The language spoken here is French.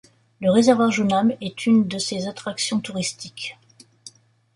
Le réservoir Junam est une de ses attractions touristiques.